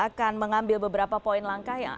akan mengambil beberapa poin langkah yang